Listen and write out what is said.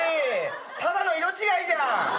ただの色違いじゃん。